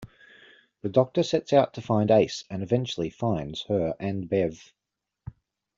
The Doctor sets out to find Ace and eventually finds her and Bev.